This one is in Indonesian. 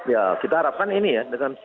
ya kita harapkan ini ya